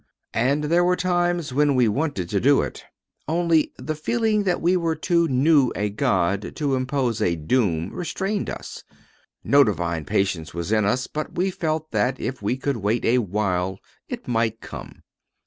And there were times when we wanted to do it. Only, the feeling that we were too new a god to impose a doom restrained us. No divine patience was in us, but we felt that if we could wait a while it might come.